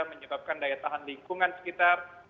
menyebabkan daya tahan lingkungan sekitar